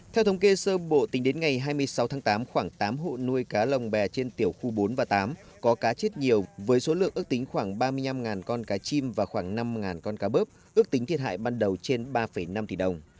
theo thống kê sơ bộ tính đến ngày hai mươi sáu tháng tám khoảng tám hộ nuôi cá lồng bè trên tiểu khu bốn và tám có cá chết nhiều với số lượng ước tính khoảng ba mươi năm con cá chim và khoảng năm con cá bớp ước tính thiệt hại ban đầu trên ba năm tỷ đồng